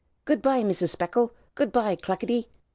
Good by, Mrs. Speckle! good by, Cluckety!"